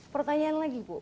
pertanyaan lagi bu